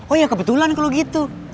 oh ya kebetulan kalau gitu